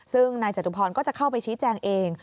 ซึ่งนายจตุพรก็จะเข้าไปชี้แจงเอง